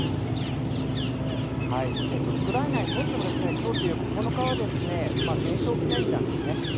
ウクライナにとっても今日という９日は戦勝記念日なんですね。